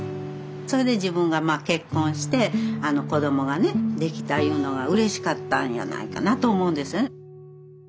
それで自分が結婚して子どもがねできたいうのがうれしかったんやないかなと思うんですよね。